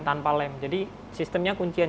tanpa lem jadi sistemnya kuncian